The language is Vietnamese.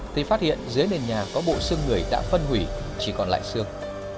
thì phát hiện dưới nền nhà có bộ xương người đã phân hủy chỉ còn lại xương